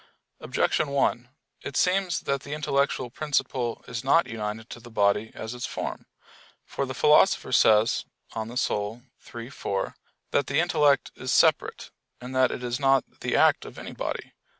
Objection 1: It seems that the intellectual principle is not united to the body as its form. For the Philosopher says (De Anima iii, 4) that the intellect is "separate," and that it is not the act of any body.